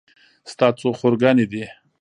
ستا څو خور ګانې دي